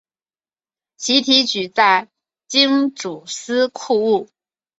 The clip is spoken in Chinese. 徙提举在京诸司库务。